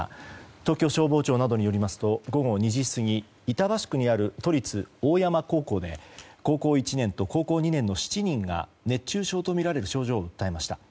東京消防庁などによりますと午後２時過ぎ板橋区にある都立大山高校で高校１年と高校２年の７人が熱中症とみられる症状を訴えました。